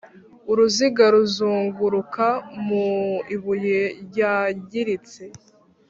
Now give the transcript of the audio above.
uruziga ruzunguruka mu ibuye ryangiritse